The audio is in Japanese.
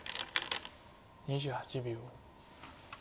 ２８秒。